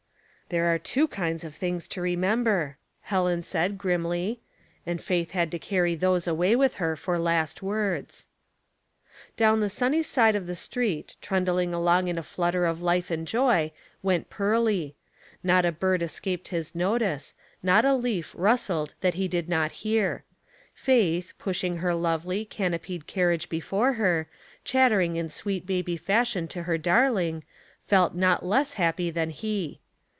''There are two kinds of things to remember,* Helen said, grimly; and Faith had to carry those away with her for last words. Down the sunny side of the street, trundling along in a flutter of life and joy, went Pearly. Not a bird escaped his notice, not a leaf rustled that he did not hear. Faith, pushing her lovely, canopied carriage before her, chattering in sweet baby fashion to her darling, felt not less happy than he.